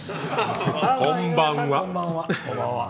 こんばんは！